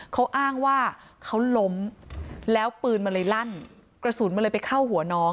เขาอ้างว่าเขาล้มแล้วปืนมันเลยลั่นกระสุนมันเลยไปเข้าหัวน้อง